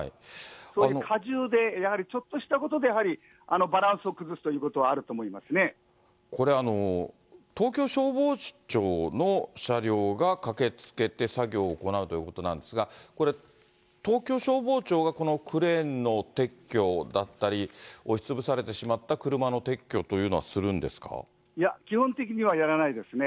荷重で、やはりちょっとしたことで、やはりバランスを崩すということはあこれ、東京消防庁の車両が駆けつけて作業を行うということなんですが、これ、東京消防庁がこのクレーンの撤去だったり、押しつぶされてしまった車の撤去といいや、基本的にはやらないですね。